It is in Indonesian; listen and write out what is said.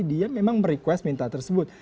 dia memang merequest mental tersebut